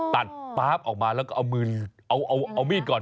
ป๊าบออกมาแล้วก็เอามือเอามีดก่อน